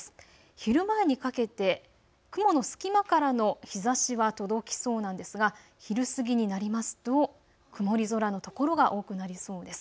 昼前にかけて雲の隙間からの日ざしは届きそうなんですが昼過ぎになりますと曇り空の所が多くなりそうです。